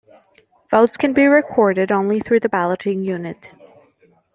Votes can be recorded only through the Balloting Unit.